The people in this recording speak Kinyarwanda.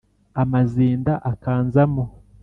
Amazinda akanzamo